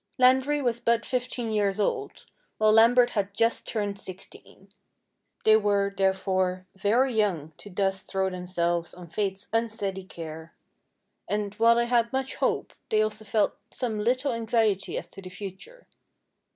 Landry was but fifteen years old, while Lambert had just turned sixteen. They were, therefore, very young to thus throw themselves on Fate's unsteady care ; and, while they had much hope, they also felt some little anxiety as to the future.